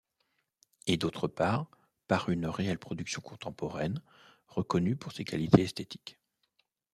Et d'autre part par une réelle production contemporaine, reconnue pour ses qualités esthétiques.